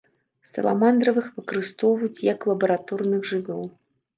Саламандравых выкарыстоўваюць як лабараторных жывёл.